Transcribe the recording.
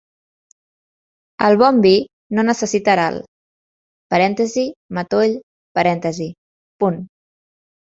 El bon vi no necessita herald (matoll).